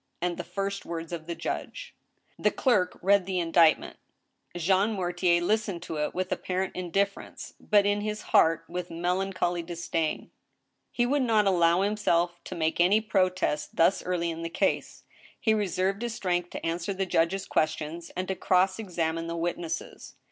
" and the first words of the judge. The clerk read the indictment. Jean Mortier listened to it with apparent indifference, but in his heart with melancholy disdain. He would not allow himself to make any protest thus early in the case. He reserved his strength to answer the judge & questions, and to cross examine the witnesses.